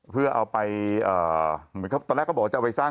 เพื่อเอาไปเหมือนกับตอนแรกก็บอกว่าจะเอาไปสร้าง